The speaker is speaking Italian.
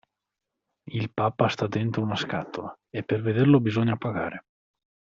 Il papa sta dentro una scatola, e per vederlo bisogna pagare.